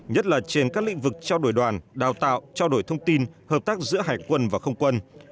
nhất là trên các lĩnh vực trao đổi đoàn đào tạo trao đổi thông tin hợp tác giữa hải quân và không quân